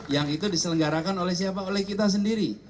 yang itu diselenggarakan oleh siapa oleh kita sendiri